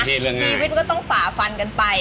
ชีวิตมันก็ต้องฝ่าฟันกันไป